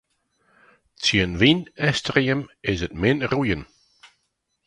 Tsjin wyn en stream is 't min roeien.